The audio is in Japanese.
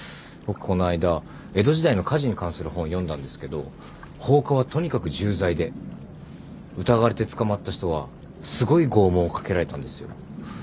僕この間江戸時代の火事に関する本読んだんですけど放火はとにかく重罪で疑われて捕まった人はすごい拷問をかけられたんですよ。